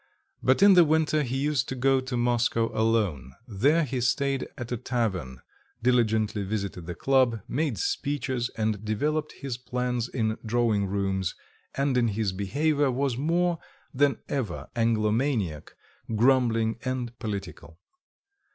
But in the winter he used to go to Moscow alone; there he stayed at a tavern, diligently visited the club, made speeches and developed his plans in drawing rooms, and in his behaviour was more than ever Anglomaniac, grumbling and political.